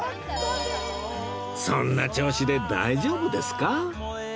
そんな調子で大丈夫ですか？